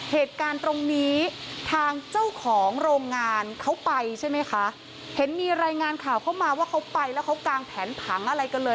เหตุการณ์ตรงนี้ทางเจ้าของโรงงานเขาไปใช่ไหมคะเห็นมีรายงานข่าวเข้ามาว่าเขาไปแล้วเขากางแผนผังอะไรกันเลย